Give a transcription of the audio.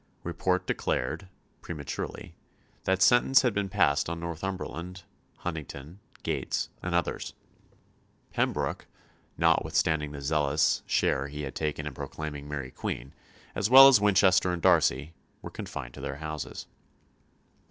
Report declared prematurely that sentence had been passed on Northumberland, Huntingdon, Gates, and others. Pembroke, notwithstanding the zealous share he had taken in proclaiming Mary Queen, as well as Winchester and Darcy, were confined to their houses.